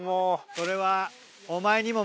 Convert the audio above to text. それは。